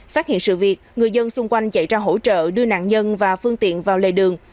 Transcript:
phát hiện sự việc người dân xung quanh chạy ra hỗ trợ đưa nạn nhân và phương tiện vào lề đường